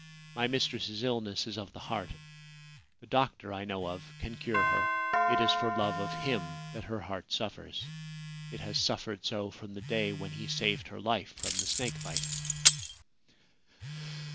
My mistress's illness is of the heart. The doctor I know of can cure her. It is for love of him that her heart suffers ; it has suffered so from the day when he saved her life from the snake bite.'